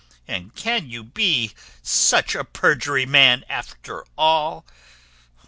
And can you be such a perjury man after all?